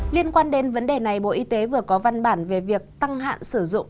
liên quan đến vấn đề này bộ y tế vừa có văn bản về việc tăng hạn sử dụng